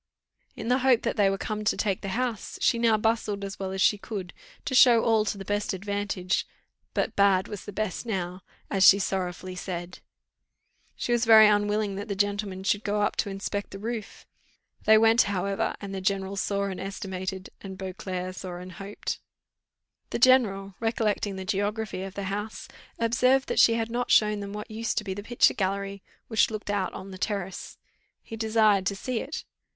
In the hope that they were come to take the house, she now bustled as well as she could, to show all to the best advantage, but bad was the best now, as she sorrowfully said. She was very unwilling that the gentlemen should go up to inspect the roof. They went, however; and the general saw and estimated, and Beauclerc saw and hoped. The general, recollecting the geography of the house, observed that she had not shown them what used to be the picture gallery, which looked out on the terrace; he desired to see it.